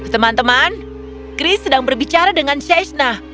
teman teman chris sedang berbicara dengan syaishna